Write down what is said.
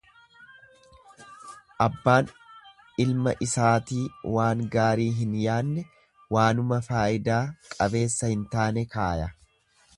Abbaan ilma isaatii waan gaarii hin yaanne waanuma faayidaa qabeessa hin taane kaaya.